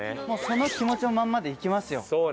その気持ちのまんまでいきますよ。